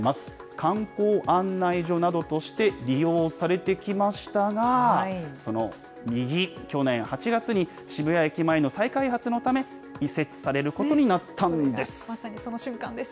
観光案内所などとして利用されてきましたが、その右、去年８月に渋谷駅前の再開発のため、移設されることになったんでまさにその瞬間です。